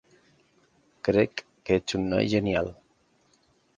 Crec que ets un noi genial.